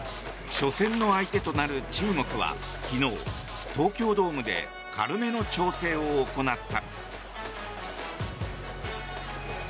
初戦の相手となる中国は昨日、東京ドームで軽めの調整を行った。